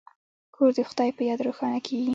کور د خدای په یاد روښانه کیږي.